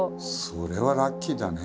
それはラッキーだね。